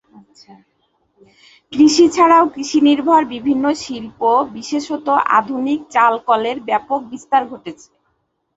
কৃষি ছাড়াও কৃষি নির্ভর বিভিন্ন শিল্প বিশেষতঃ আধুনিক চাল কলের ব্যাপক বিস্তার ঘটেছে।